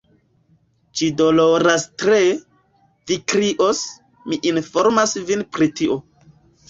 Ĝi doloras tre; vi krios, mi informas vin pri tio.